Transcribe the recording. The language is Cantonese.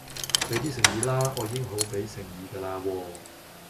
俾啲誠意啦，我已經好俾誠意㗎啦喎